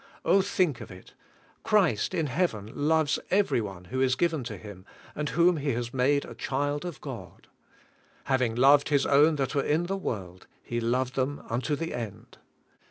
Oh, think of it; Christ in Leaven loves every one who is given to Him, and whom He has made a child of God. "Having loved His own that were in the world. He loved them unto the end."